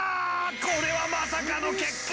これはまさかの結果！